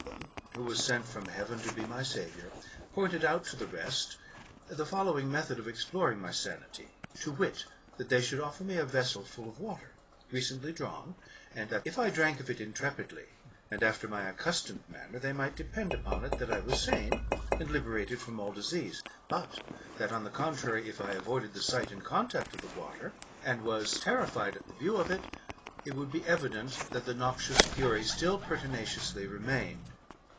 em, who was sent from heaven to be my saviour, pointed out to the rest the following method of exploring my sanity ; viz, that tiiey should offer me a vessel full of water, • recently drawn, and that, if I drank of it intrepidly, and after my accustomed manner, they might depend upon it that I was sane, and liberated from all disease ; but that, on the contrary, if I avoided the sight and contact of the water, and was terrified at the view of it, it would be evident that the noxious fury still pertinaciously remained.